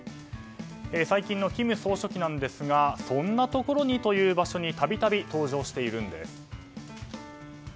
最近の金総書記ですがそんなところに？という場所に度々、登場しているんです。